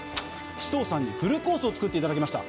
志藤さんにフルコースを作っていただきました